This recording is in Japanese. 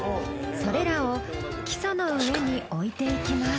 それらを基礎の上に置いていきます。